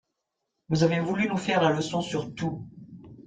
Vous avez voulu nous faire la leçon sur tout.